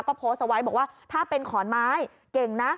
ก็โพสต์เอาไว้บอกว่าถ้าเป็นขอนไม้เก่งนะ